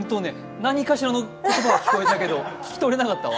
何かしらの音は聞こえたけど聞き取れなかったわ。